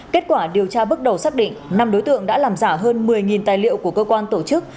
kết quả điều tra bước đầu xác định năm đối tượng đã làm giả hơn một mươi tài liệu của cơ quan tổ chức